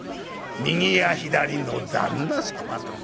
右や左の旦那様』と」。